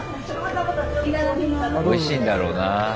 おいしいんだろうな。